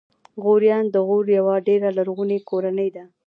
غوریان د غور یوه ډېره لرغونې کورنۍ ده.